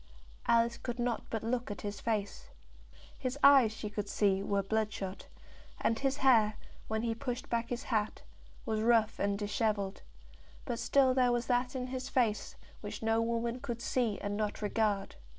Alice could not but look at his face. His eyes she could see were bloodshot, and his hair, when he pushed back his hat, was rough and dishevelled; but still there was that in his face which no woman could see and not regard.